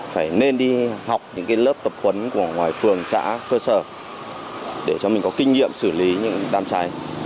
phải nên đi học những lớp tập huấn của ngoài phường xã cơ sở để cho mình có kinh nghiệm xử lý những đám cháy